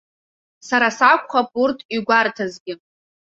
Сара сакәхап урҭ игәарҭазгьы.